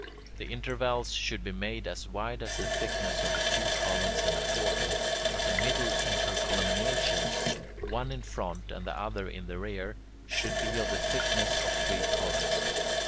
The intervals should be made as wide as the thickness of two columns and a quarter, but the middle intercolumniations, one in front and the other in the rear, should be of the thickness of three columns.